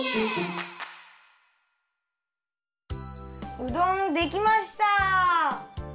うどんできました！